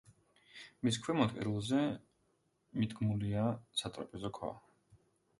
მის ქვემოთ, კედელზე მიდგმულია სატრაპეზო ქვა.